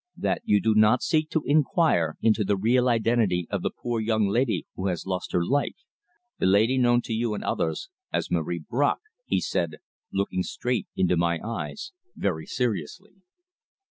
"That you do not seek to inquire into the real identity of the poor young lady who has lost her life the lady known to you and others as Marie Bracq," he said, looking straight into my eyes very seriously.